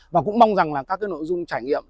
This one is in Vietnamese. và cũng mong rằng các nội dung trải nghiệm